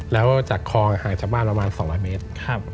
แล้วจากคลองห่างจากบ้านประมาณ๒๐๐เมตร